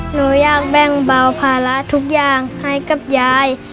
หนูอยากแบ่งเบาภาระทุกอย่างให้กับยาย